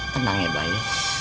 tenang ya bayi